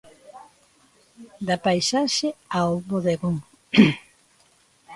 Da paisaxe ao bodegón.